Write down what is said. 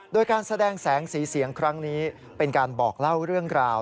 โดยการแสดงแสงสีเสียงครั้งนี้เป็นการบอกเล่าเรื่องราว